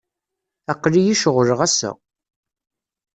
Aql-iyi ceɣleɣ ass-a.